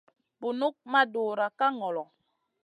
Bunuk ma dura ka ŋolo.